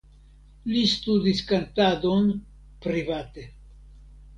Li studis kantadon private.